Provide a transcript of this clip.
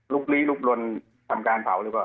ลีลุกลนทำการเผาหรือเปล่า